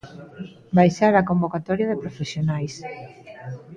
Baixar a convocatoria de profesionais.